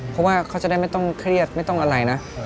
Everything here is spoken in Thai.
เพราะว่าเขาจะได้ไม่ต้องเครียดไม่ต้องอะไรนะ